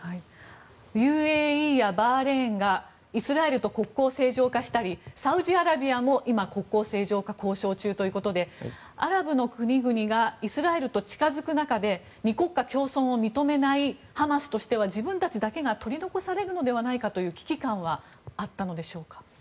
ＵＡＥやバーレーンがイスラエルと国交正常化したりサウジアラビアも今国交正常化交渉中ということでアラブの国々がイスラエルと近づく中で２国家共存を認めないハマスとしては自分たちだけが取り残されるのではないかという危機感はあったのでしょうか？